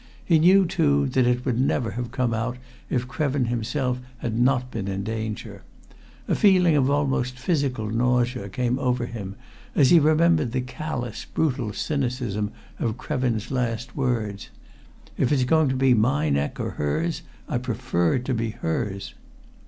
He knew, too, that it would never have come out if Krevin himself had not been in danger. A feeling of almost physical nausea came over him as he remembered the callous, brutal cynicism of Krevin's last words, "If it's going to be my neck or hers, I prefer it to be hers!"